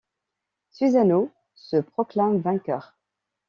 Susanoo se proclame vainqueur.